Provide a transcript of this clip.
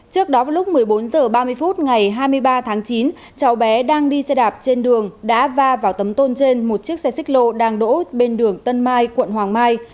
trước đó vào lúc một mươi bốn h ba mươi phút ngày hai mươi ba tháng chín cháu bé đang đi xe đạp trên đường đã va vào tấm tôn trên một chiếc xe xích lô đang đỗ bên đường tân mai quận hoàng mai